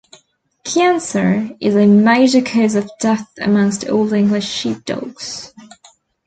Cancer is a major cause of death amongst Old English Sheepdogs.